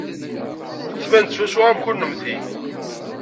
Tettban-d swaswa am kennemti.